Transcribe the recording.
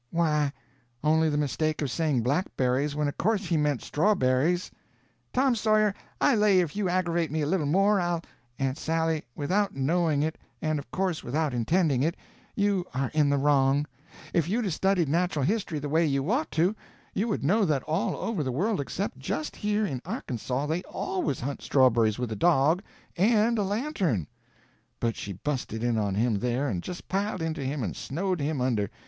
"Why, only the mistake of saying blackberries when of course he meant strawberries." "Tom Sawyer, I lay if you aggravate me a little more, I'll—" "Aunt Sally, without knowing it—and of course without intending it—you are in the wrong. If you'd 'a' studied natural history the way you ought, you would know that all over the world except just here in Arkansaw they always hunt strawberries with a dog—and a lantern—" But she busted in on him there and just piled into him and snowed him under.